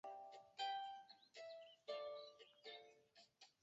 牛顿对抛体运动中冲击深度的近似仅仅基于对动量因素的考量。